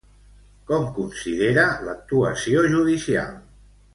Com considera l'actuació judicial?